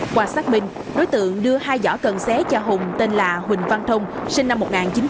qua xác minh đối tượng đưa hai giỏ cần xé cho hùng tên là huỳnh văn thông sinh năm một nghìn chín trăm tám mươi